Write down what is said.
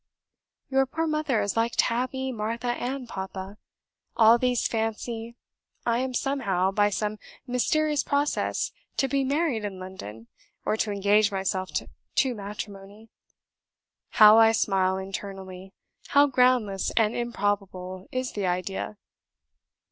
"Your poor mother is like Tabby, Martha and Papa; all these fancy I am somehow, by some mysterious process, to be married in London, or to engage myself to matrimony. How I smile internally! How groundless and improbable is the idea!